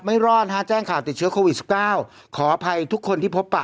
รอดฮะแจ้งข่าวติดเชื้อโควิด๑๙ขออภัยทุกคนที่พบปะ